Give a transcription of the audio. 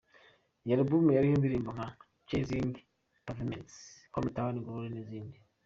Iyi album yariho indirimbo nka "Chasing Pavements", "Hometown Glory", n’izindi.